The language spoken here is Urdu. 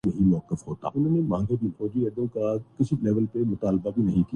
یہ کم اہم معلومات نہیں تھیں۔